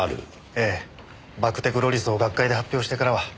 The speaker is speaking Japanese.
ええバクテクロリスを学会で発表してからは。